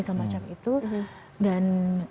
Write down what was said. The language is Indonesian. semacam itu dan